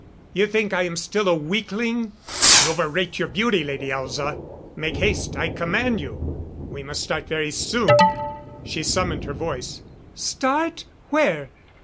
You think I am still a weakling? You over rate your beauty, Lady Elza.... Make haste, I command you. We must start very soon." She summoned her voice. "Start? Where?